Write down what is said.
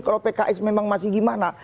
kalau pks memang masih gimana